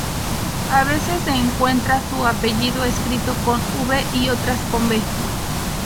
A veces se encuentra su apellido escrito con 'v' y otras con 'b'.